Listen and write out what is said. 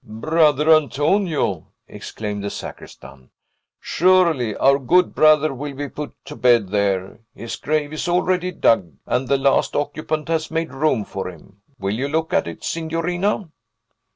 "Brother Antonio?" exclaimed the sacristan. "Surely, our good brother will be put to bed there! His grave is already dug, and the last occupant has made room for him. Will you look at it, signorina?"